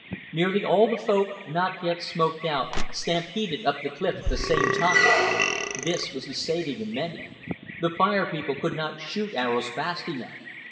Nearly all the Folk not yet smoked out stampeded up the cliff at the same time. This was the saving of many. The Fire People could not shoot arrows fast enough.